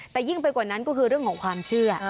แต่ยิ่งไปกว่านั้นก็คือเรื่องของความเชื่อ